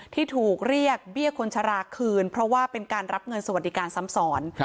ที่ถูกเรียกเบี้ยคนชะลาคืนเพราะว่าเป็นการรับเงินสวัสดิการซ้ำซ้อน